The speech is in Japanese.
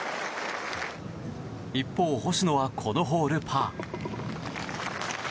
一方、星野はこのホール、パー。